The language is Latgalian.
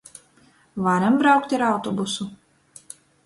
Varim braukt ar autobusu.